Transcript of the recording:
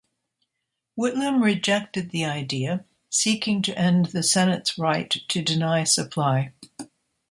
Whitlam rejected the idea, seeking to end the Senate's right to deny supply.